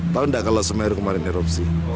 tahu enggak kalau semeru kemarin erupsi